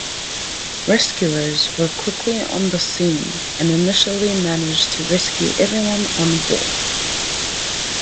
Rescuers were quickly on the scene and initially managed to rescue everyone on board.